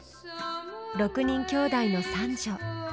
６人きょうだいの三女。